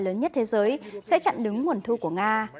lớn nhất thế giới sẽ chặn đứng nguồn thu của nga